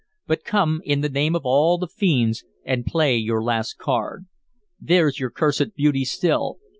But come, in the name of all the fiends, and play your last card. There's your cursed beauty still.